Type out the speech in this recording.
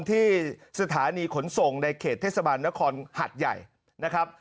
ที่สถานีขนส่งในเขตเทศบาลนครหัดใหญ่นะครับ